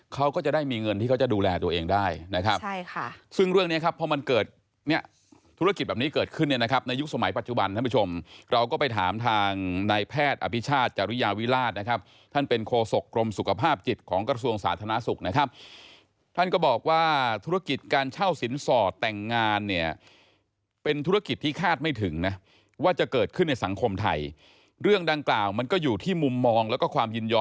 เขาจะดูแลตัวเองได้นะครับใช่ค่ะซึ่งเรื่องเนี้ยครับเพราะมันเกิดเนี้ยธุรกิจแบบนี้เกิดขึ้นเนี้ยนะครับในยุคสมัยปัจจุบันท่านผู้ชมเราก็ไปถามทางนายแพทย์อภิชาจริยาวิราชนะครับท่านเป็นโคศกกรมสุขภาพจิตของกระทรวงสาธารณสุขนะครับท่านก็บอกว่าธุรกิจการเช่าสินสอดแต่งงานเนี้ย